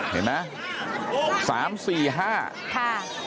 เห็นไหมสามสี่ห้า